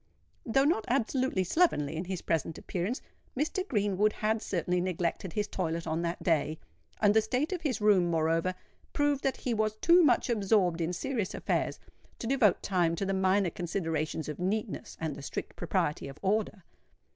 Though not absolutely slovenly in his present appearance, Mr. Greenwood had certainly neglected his toilet on that day; and the state of his room moreover proved that he was too much absorbed in serious affairs to devote time to the minor considerations of neatness and the strict propriety of order.